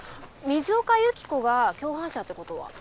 水岡由紀子が共犯者って事は？